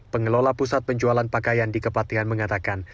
pengelola pusat penjualan pakaian di kepatian mengatakan